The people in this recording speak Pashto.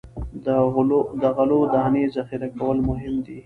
د غلو دانو ذخیره کول مهم دي.